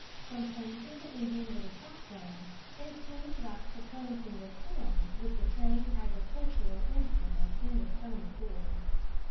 From planting the Indian with a shotgun, they soon got to planting their corn with the same agricultural instrument in the stony soil.